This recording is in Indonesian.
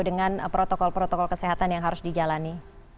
dengan protokol protokol kesehatan yang harus dijalani